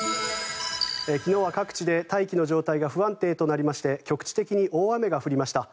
昨日は各地で大気の状態が不安定となりまして局地的に大雨が降りました。